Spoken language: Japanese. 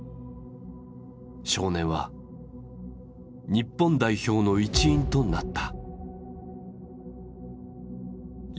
少年は日本代表の一員となった。